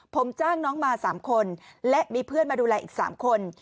ผมจ้างน้องมา๓คนและมีเพื่อนมาดูแลอีก๓คน